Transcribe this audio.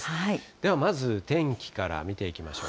ではまず、天気から見ていきましょう。